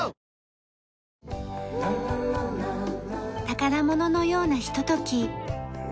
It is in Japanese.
宝物のようなひととき。